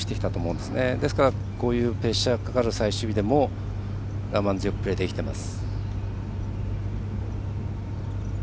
ですから、こういうプレッシャーがかかる最終日でも我慢強くプレーできています。